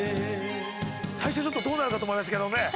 最初はちょっとどうなるかと思いましたけどね。